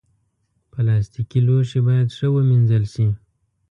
پلاستيکي لوښي باید ښه ومینځل شي.